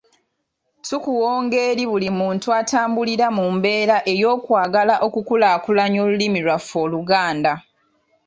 Tukuwonga eri buli muntu atambulira mu mbeera ey'okwagala okukulaakulanya olulimi lwaffe Oluganda.